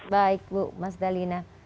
baik bu mas dalina